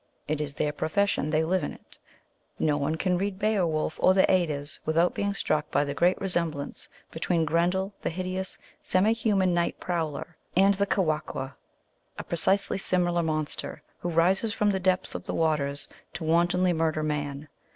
It is their profession ; they live in it. No one can read Beowulf without being struck by the great resemblance between Grendel, the hideous, semi human night prowler, and the Kewahqu , a precisely similar monster, who rises from the depths of waters to wantonly murder man.